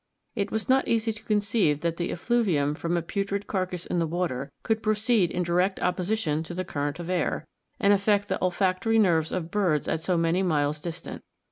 It was not easy to conceive that the effluvium from a putrid carcass in the water, could proceed in direct opposition to the current of air, and affect the olfactory nerves of birds at so many miles distant.